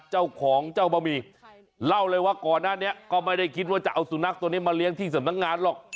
เจ้าของเจ้าบะหมี่เล่าเลยว่าก่อนหน้านี้ก็ไม่ได้คิดว่าจะเอาสุนัขตัวนี้มาเลี้ยงที่สำนักงานหรอก